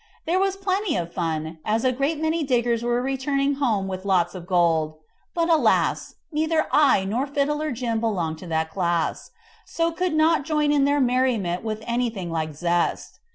There was plenty of fun, as a great many diggers were returning home with lots of gold; but alas! neither I nor Fiddler Jim belonged to that class, so could not join in their merriment with anything like zest.